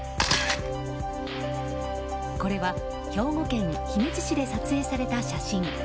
これは兵庫県姫路市で撮影された写真。